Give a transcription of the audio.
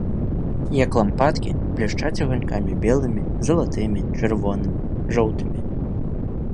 Як лампадкі, блішчаць аганькамі белымі, залатымі, чырвонымі, жоўтымі.